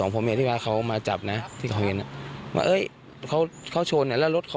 ประมาณ๒๐เมตร